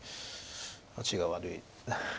味が悪い。